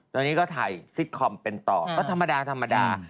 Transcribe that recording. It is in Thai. ตอนนี้ก็ถ่ายซิตคอมเป็นต่อก็ธรรมดาธรรมดา